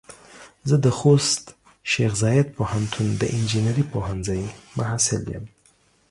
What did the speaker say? زه د خوست شیخ زايد پوهنتون د انجنیري پوهنځۍ محصل يم.